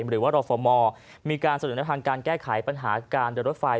หรือว่ารฟมมีการเสนอในทางการแก้ไขปัญหาการเดินรถไฟ